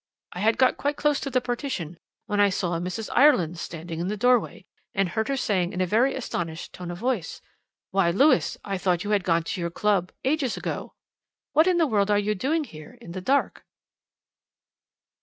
I had got quite close to the partition, when I saw Mrs. Ireland standing in the doorway, and heard her saying in a very astonished tone of voice: 'Why, Lewis, I thought you had gone to your club ages ago. What in the world are you doing here in the dark?'